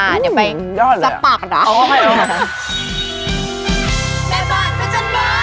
อืมยอดเลยอะเอาไว้นะสับปากนะเอาไว้